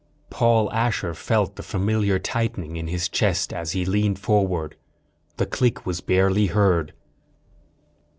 _Paul Asher felt the familiar tightening in his chest as he leaned forward. The click was barely heard.